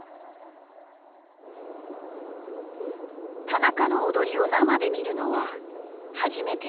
田中の踊りを生で見るのは初めて。